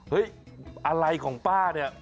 เฮ้ยอะไรของป้าเนี่ย